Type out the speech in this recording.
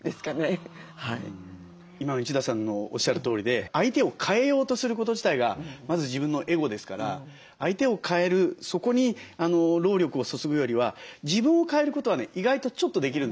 今の一田さんのおっしゃるとおりで相手を変えようとすること自体がまず自分のエゴですから相手を変えるそこに労力を注ぐよりは自分を変えることはね意外とちょっとできるんですよ。